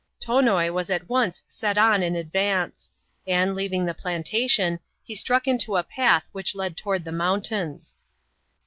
Tonoi was at once sent on in advance ; and, leaving the plantation, he struck into a path which led toward the mountains.